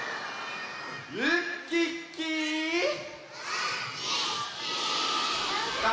ウッキッキー！